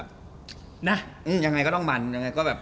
ก็ตั้งแต่ผมเข้ามาทำงาน